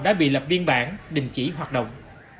đã bị lập biên bản đình chỉ hoạt động